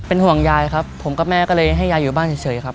ห่วงยายครับผมกับแม่ก็เลยให้ยายอยู่บ้านเฉยครับ